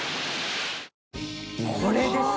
これです。